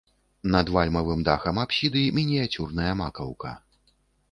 Над вальмавым дахам апсіды мініяцюрная макаўка.